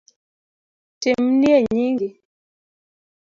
Timnie nyingi